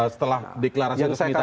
setelah deklarasi resmi tadi